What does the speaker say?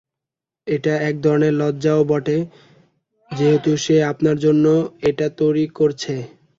এটা এক ধরনের লজ্জাও বটে যেহেতু সে আপনার জন্য এটা তৈরি করছে।